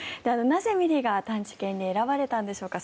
なぜミリが探知犬に選ばれたんでしょうか